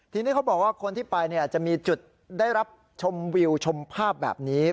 ทีนี้เขาบอกว่าคนที่ไปจะมีจุดได้รับชมวิวชมภาพแบบนี้